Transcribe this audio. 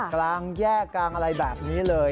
กลางแยกกลางอะไรแบบนี้เลย